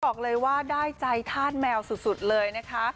บอกเลยว่าได้ใจธาตุแมวสุดเลยนะคะ